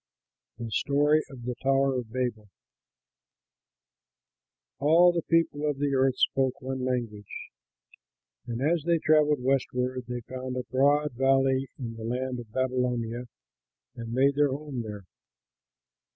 THE STORY OF THE TOWER OF BABEL All the people of the earth spoke one language; and as they travelled westward, they found a broad valley in the land of Babylonia, and made their home there.